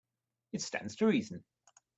It stands to reason.